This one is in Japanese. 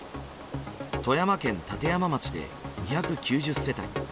富山県立山町で２９０世帯